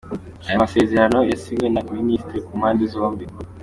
Aya masezerano yasinywe na ba Minisitiri ku mpande zombi.